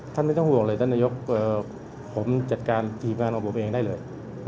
ไม่ต้องห่วงเลยท่านนายกผมจัดการทีมงานของผมเองได้เลย